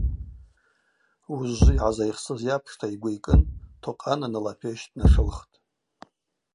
Уыжвжвы йгӏазайхсыз йапшта йгвы йкӏын Токъан аныла апещ днашылхтӏ.